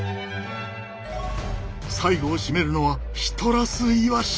最後を締めるのはシトラスイワシ！